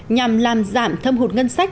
nhằm làm giảm thâm hụt ngân sách